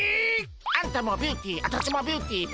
あんたもビューティー私もビューティー。